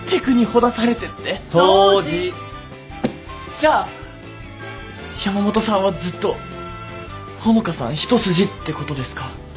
じゃあ山本さんはずっと穂香さん一筋ってことですか？